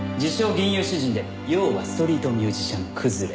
吟遊詩人で要はストリートミュージシャン崩れ。